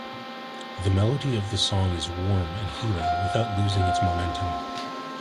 The melody of the song is warm and healing without losing its momentum.